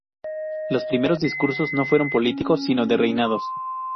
Los primeros discursos no fueron políticos sino de reinados.